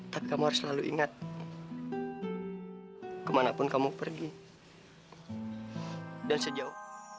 tapi kamu harus selalu ingat kemanapun kamu pergi dan sejauh